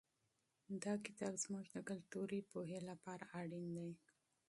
دا کتاب زموږ د کلتوري پوهې لپاره اړین دی.